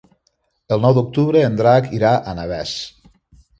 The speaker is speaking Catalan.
El nou d'octubre en Drac irà a Navès.